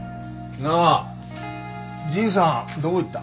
なあじいさんどこ行った？